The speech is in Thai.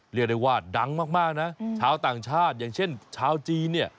เรียกได้ว่าดังมากนะชาวต่างชาติอย่างเช่นชาวจีนเนี่ย